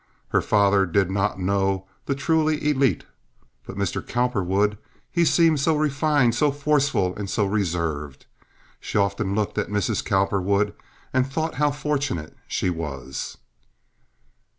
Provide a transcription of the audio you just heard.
Her father did not know the truly elite. But Mr. Cowperwood—he seemed so refined, so forceful, and so reserved. She often looked at Mrs. Cowperwood and thought how fortunate she was.